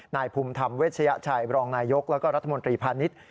นายภูมิธรรมเวชยชัยบรองนายยกแล้วก็รัฐมนตรีพาณิชย์